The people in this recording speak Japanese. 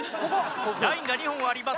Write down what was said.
ラインが２本ありますがさあ